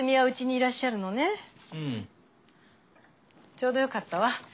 ちょうどよかったわ。